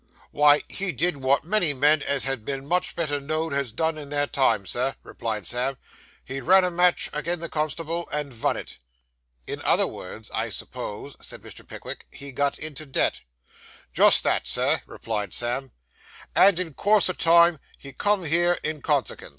'Wy, he did wot many men as has been much better know'd has done in their time, Sir,' replied Sam, 'he run a match agin the constable, and vun it.' 'In other words, I suppose,' said Mr. Pickwick, 'he got into debt.' 'Just that, Sir,' replied Sam, 'and in course o' time he come here in consekens.